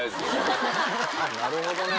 なるほどね。